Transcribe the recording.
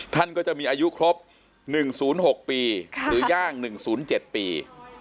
ท่านก็จะมีอายุครบ๑๐๖ปีหรือย่าง๑๐๗ปี